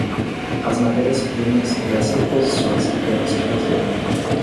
as matérias-primas e as reposições que temos que fazer